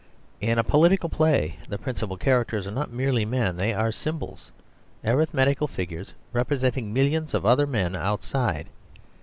In a political play the principal characters are not merely men. They are symbols, arithmetical figures representing millions of other men outside.